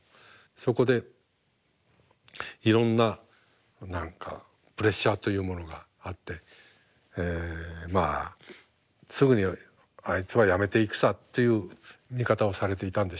そこでいろんな何かプレッシャーというものがあってまあ「すぐにあいつはやめていくさ」という見方をされていたんでしょう。